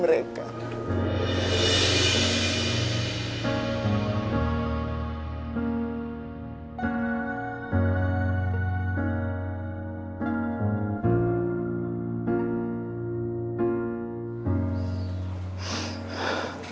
mereka udah tua